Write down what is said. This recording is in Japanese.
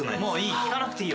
聞かなくていい。